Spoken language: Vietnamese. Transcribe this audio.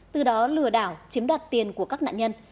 từ đó lừa đảo chiếm đoạt tiền của các nạn nhân